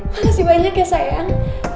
makasih banyak ya sayang